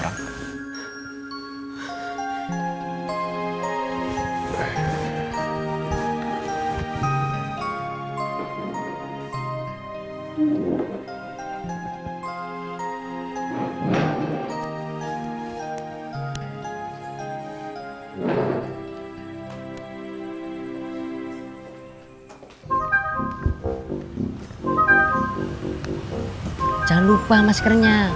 jangan lupa maskernya